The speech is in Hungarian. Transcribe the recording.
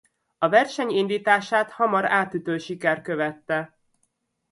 A verseny indítását hamar átütő siker követte.